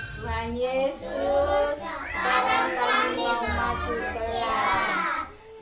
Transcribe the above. tuhan yesus sekarang kami memasuki tuhan